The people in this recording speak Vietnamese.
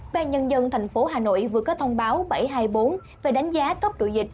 ban nhân dân tp hà nội vừa có thông báo bảy trăm hai mươi bốn về đánh giá cấp độ dịch